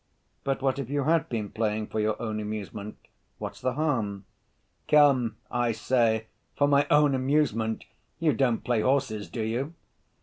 "But what if you had been playing for your own amusement, what's the harm?" "Come, I say, for my own amusement! You don't play horses, do you?"